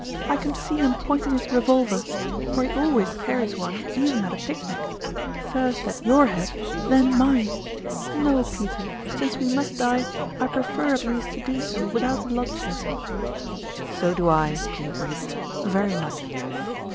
I can see him pointing his revolver for he always carries one, even at a picnic first at your head, then mine ! No, Peter ; since we must die, I prefer at least to do so without blood shed !" foil anb Counterfoil. 125 " So do I," lie agreed, " very much."